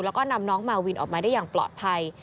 แล้วก็นำน้องมาวินออกมาได้อย่างปลอดภัย